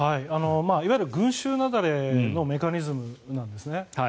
いわゆる群衆雪崩のメカニズムなんですね。